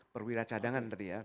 perwira cadangan tadi ya